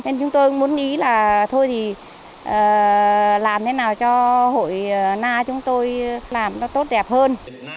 nên chúng tôi muốn ý là thôi thì làm thế nào cho hội na chúng tôi làm nó tốt đẹp hơn